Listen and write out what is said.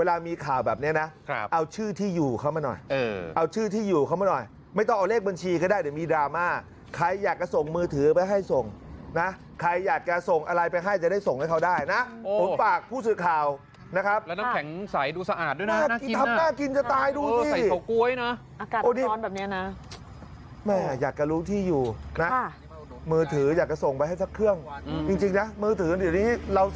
เอาชื่อที่อยู่เข้ามาหน่อยเอาชื่อที่อยู่เข้ามาหน่อยไม่ต้องเอาเลขบัญชีก็ได้เดี๋ยวมีดราม่าใครอยากจะส่งมือถือไปให้ส่งนะใครอยากจะส่งอะไรไปให้จะได้ส่งให้เขาได้นะโหฝากผู้สืบข่าวนะครับแล้วน้ำแข็งใสดูสะอาดด้วยน่ากินจะตายดูสิอากาศร้อนแบบเนี้ยนะแม่อยากจะรู้ที่อยู่นะมือถืออยากจะส่งไปให้สักเครื่องจริงจริงนะ